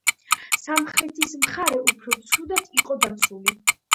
სამხრეთის მხარე უფრო ცუდად იყო დაცული.